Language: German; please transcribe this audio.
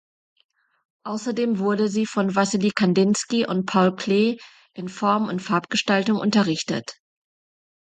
Außerdem wurde sie von Wassily Kandinsky und Paul Klee in Form- und Farbgestaltung unterrichtet.